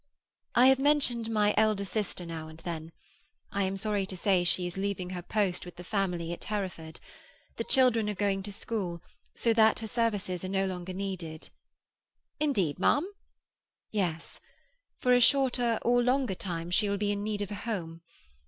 "I have mentioned my elder sister now and then. I am sorry to say she is leaving her post with the family at Hereford. The children are going to school, so that her services are no longer needed." "Indeed, mum?" "Yes. For a shorter or longer time she will be in need of a home.